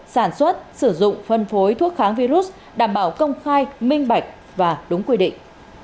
sản xuất sử dụng phân phối thuốc kháng virus đảm bảo công khai minh bạch và đúng quy định